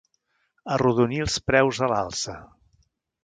Arrodonir els preus a l'alça.